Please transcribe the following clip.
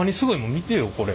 見てよこれ。